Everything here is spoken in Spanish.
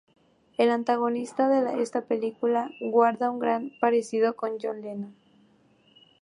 El antagonista de esta película guarda un gran parecido con John Lennon.